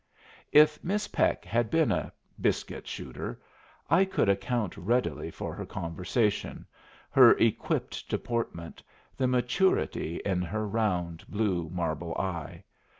If Miss Peck had been a biscuit shooter, I could account readily for her conversation, her equipped deportment, the maturity in her round, blue, marble eye.